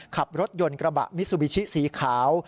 ขับรถยนต์กระบะมิซูบิชิสีขาว